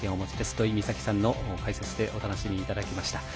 土居美咲さんの解説でお楽しみいただきました。